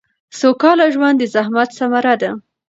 سوکاله ژوند د زحمت ثمره ده